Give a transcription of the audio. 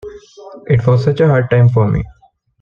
It was such a hard time for me.